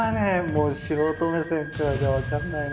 もう素人目線からじゃ分かんないな。